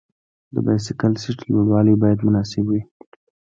د بایسکل سیټ لوړوالی باید مناسب وي.